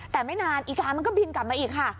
แต่ไม่นานอีกามันก็บินกลับมาอีกค่ะ